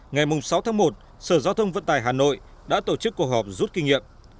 ngày sáu tháng một sở giao thông vận tải hà nội đã tổ chức cuộc họp rút kinh nghiệm